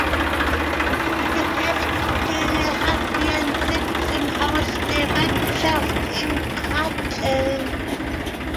Die Geschäftsstelle hat ihren Sitz im Haus der Wirtschaft in Pratteln.